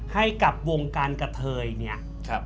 ให้กับวงการกะเทยเนี่ย